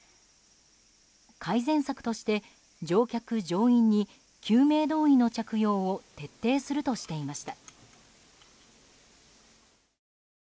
改善策として乗客・乗員に救命胴衣の着用を徹底するとしていました。